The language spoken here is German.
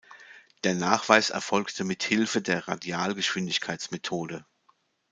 Der Nachweis erfolgte mit Hilfe der Radialgeschwindigkeitsmethode.